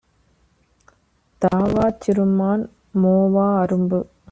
தாவாச் சிறுமான், மோவா அரும்பு!